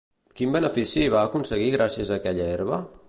Quin benefici va aconseguir gràcies a aquella herba?